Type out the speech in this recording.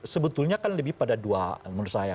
sebetulnya kan lebih pada dua menurut saya